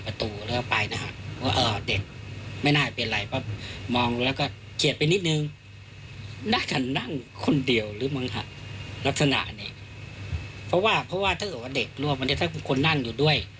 เพราะว่าเพราะว่าถ้าเกิดว่าเด็กรวมวันนี้ถ้าทุกคนนั่งอยู่ด้วย